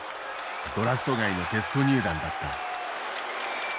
ドラフト外のテスト入団だった。